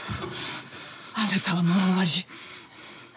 あなたはもう終わり。